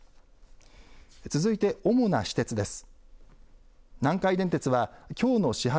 続いて主な私鉄です。